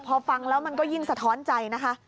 พอฟังแล้วมันก็ยิ่งสะท้อนใจนะคะ